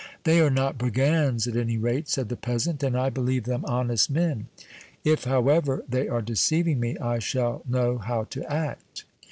"They are not brigands, at any rate," said the peasant, "and I believe them honest men. If, however, they are deceiving me, I shall know how to act!"